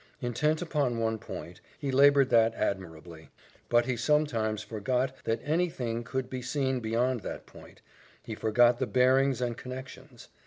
Intent upon one point, he laboured that admirably; but he sometimes forgot that any thing could be seen beyond that point he forgot the bearings and connexions.